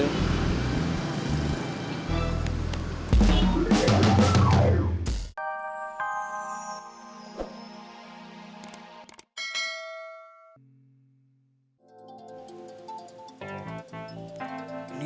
sampai jumpa lagi